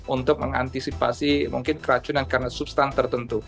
untuk mengantisipasi mungkin keracunan karena substan tertentu